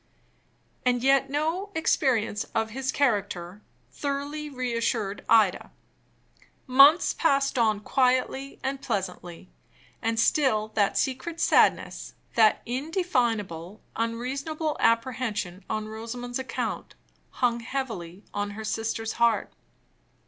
And yet no experience of his character thoroughly re assured Ida. Months passed on quietly and pleasantly; and still that secret sadness, that indefinable, unreasonable apprehension on Rosamond's account, hung heavily on her sister's heart.